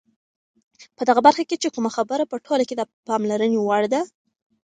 په دغه برخه کې چې کومه خبره په ټوله کې د پاملرنې وړ ده،